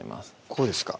こうですか？